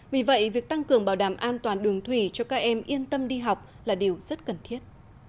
vì vậy việc tăng cường bảo đảm an toàn đường thủy cho các em yên tâm đi học là điều rất cần thiết